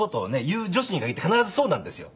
言う女子に限って必ずそうなんですよ。